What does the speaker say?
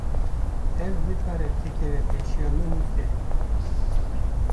Ev nikare têkeve pêşiya min û te.